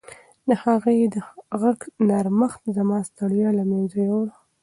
د هغې د غږ نرمښت زما ستړیا له منځه یووړه.